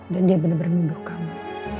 dan dia bener bener mimpi kamu